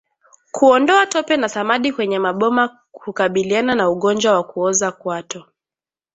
Kuondoa tope na samadi kwenye maboma hukabiliana na ugonjwa wa kuoza kwato